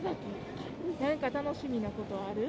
何か楽しみなことある？